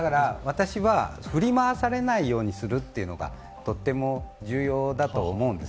振り回されないようにするというのがとても重要だと思うんです。